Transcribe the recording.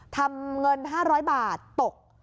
ทำเงิน๕๐๐บาทตก